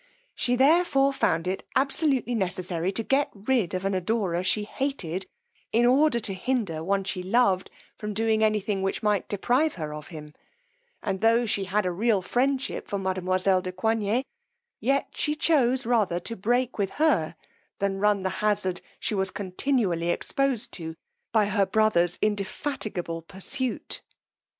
She therefore found it absolutely necessary to get rid of an adorer she hated, in order to hinder one she loved from doing any thing which might deprive her of him; and tho' she had a real friendship for mademoiselle de Coigney, yet she chose rather to break with her, than run the hazard she was continually exposed to by her brother's indefatigable pursuit.